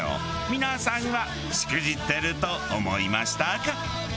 皆さんはしくじってると思いましたか？